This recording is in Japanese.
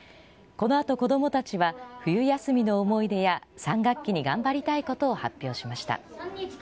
このあと子どもたちは、冬休みの思い出や、３学期に頑張りたいことを発表しました。